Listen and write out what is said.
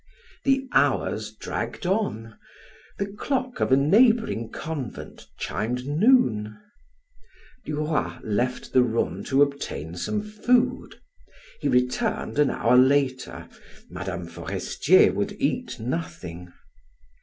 The hours dragged on; the clock of a neighboring convent chimed noon. Duroy left the room to obtain some food. He returned an hour later; Mme. Forestier would eat nothing.